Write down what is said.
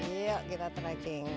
yuk kita trekking